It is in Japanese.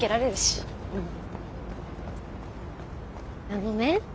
あのね。